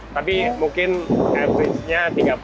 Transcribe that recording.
tapi mungkin average nya tiga puluh